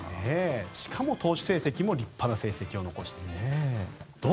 しかも投手成績も立派な成績を残しているという。